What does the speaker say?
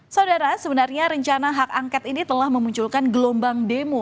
saudara sebenarnya rencana hak angket ini telah memunculkan gelombang demo